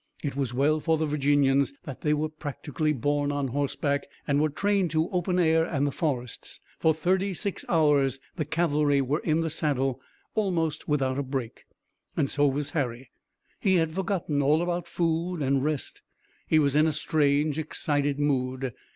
It was well for the Virginians that they were practically born on horseback and were trained to open air and the forests. For thirty six hours the cavalry were in the saddle almost without a break. And so was Harry. He had forgotten all about food and rest. He was in a strange, excited mood.